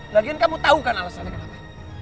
lagian kamu tahu kan alasannya kenapa